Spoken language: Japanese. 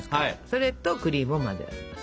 それとクリームを混ぜ合わせます。